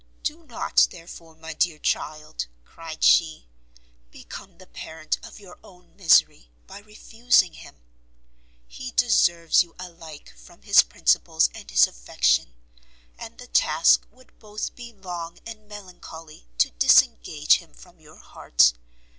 "Do not, therefore, my dear child," cried she, "become the parent of your own misery by refusing him; he deserves you alike from his principles and his affection, and the task would both be long and melancholy to disengage him from your heart.